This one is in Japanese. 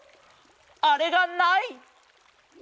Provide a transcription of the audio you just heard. あれがない！